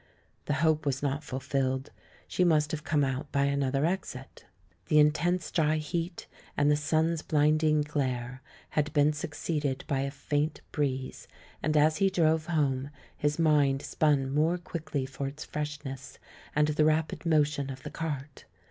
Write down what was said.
The hope was not fulfilled; she must have come out by another exit. The intense dry heat and the sun's blinding glare had been succeeded by a faint breeze, and as he drove home his mind spun more quickly for its freshness, and the rapid motion of the "cart."